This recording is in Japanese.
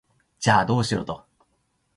じゃあ、どうしろと？